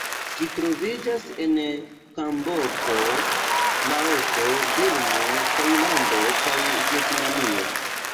Ĝi troviĝas en Kamboĝo, Laoso, Birmo, Tajlando, kaj Vjetnamio.